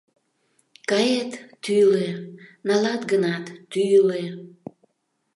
— «Кает — тӱлӧ, налат гынат, тӱлӧ»...